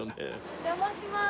お邪魔します。